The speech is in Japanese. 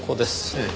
ええ。